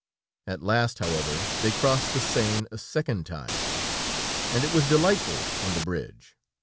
At last, however, they crossed the Seine a second time, and it was delightful on the bridge.